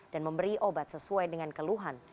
dan memberi obat sesuai dengan keluhan